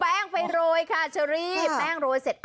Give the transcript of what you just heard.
แป้งไปโรยค่ะเชอรี่แป้งโรยเสร็จ